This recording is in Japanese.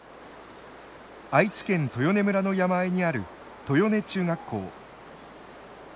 愛知県豊根村の山あいにある豊根中学校。